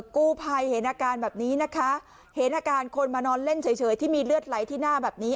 กู้ภัยเห็นอาการแบบนี้นะคะเห็นอาการคนมานอนเล่นเฉยที่มีเลือดไหลที่หน้าแบบนี้